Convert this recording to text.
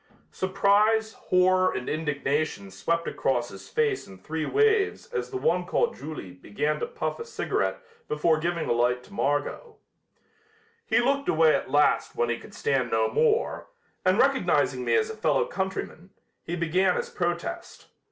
Surprise, horror and indignation swept across his face in three waves as the one called Julie began to puff a cigarette after giving a light to Margot. He looked away at last when he could stand no more, and recognizing me as a fellow countryman, he began his protest.